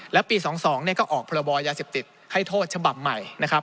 และปี๒๒ก็ออกพรบยาเสพติดให้โทษฉบับใหม่นะครับ